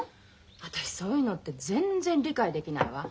私そういうのって全然理解できないわ。